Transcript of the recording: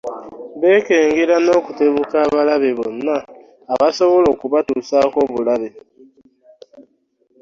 Beekengere n'okutebuka abalabe bonna abasobola okubatuusaako obulabe